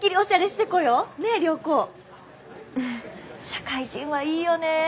社会人はいいよねえ